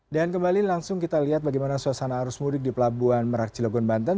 dan kembali langsung kita lihat bagaimana suasana arus mudik di pelabuhan merak cilogon banten